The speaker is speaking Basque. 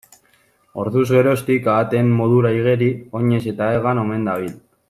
Orduz geroztik, ahateen modura igeri, oinez eta hegan omen dabil.